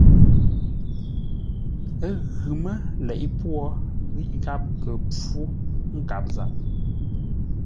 Ə́ ghʉ mə́ leʼé pwô ghíʼ gháp kə́ pfú nkâp záp.